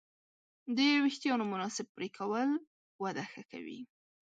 د وېښتیانو مناسب پرېکول وده ښه کوي.